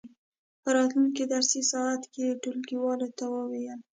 په راتلونکې درسي ساعت کې یې ټولګیوالو ته ولولئ.